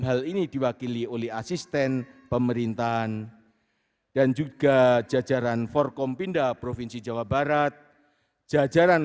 hal ini diwakili oleh asisten pemerintahan dan juga jajaran forkompinda provinsi jawa barat jajaran